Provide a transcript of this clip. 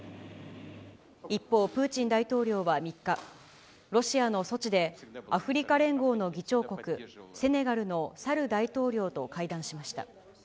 一方、プーチン大統領は３日、ロシアのソチで、アフリカ連合の議長国、セネガルのサル大統領と会談しました。